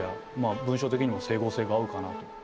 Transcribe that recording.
文章的にも整合性が合うかなと。